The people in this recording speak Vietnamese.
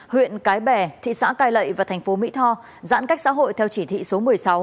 huyện cái bè thị xã cai lậy và thành phố mỹ tho giãn cách xã hội theo chỉ thị số một mươi sáu